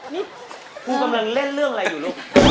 นี่กูกำลังเล่นเรื่องอะไรอยู่ลูก